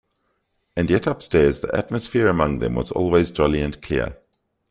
And yet upstairs the atmosphere among them was always jolly and clear.